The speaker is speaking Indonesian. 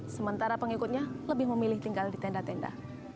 sementara pengikutnya lebih memilih tinggal di tenda tenda